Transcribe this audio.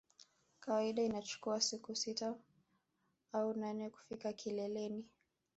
Kawaida inachukua siku sita au nane kufika kileleni